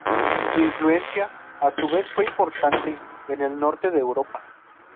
Su influencia, a su vez, fue importante en el norte de Europa.